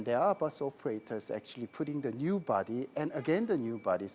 dan ada penggerak truk itu yang berjalan dengan baik